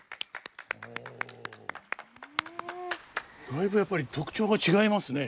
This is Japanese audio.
だいぶやっぱり特徴が違いますね。